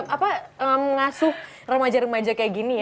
apa mengasuh remaja remaja kayak gini ya